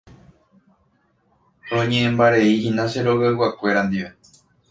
Roñe'ẽmbareihína che rogayguakuéra ndive.